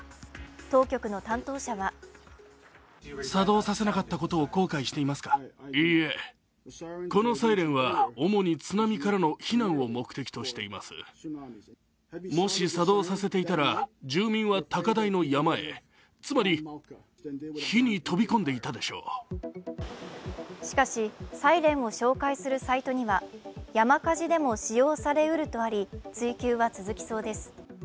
当局の担当者はしかし、サイレンを紹介するサイトには山火事でも使用されうるとあり追及は続きそうです。